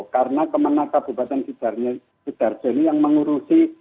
karena kemenang kabupaten siderjo ini yang mengurusi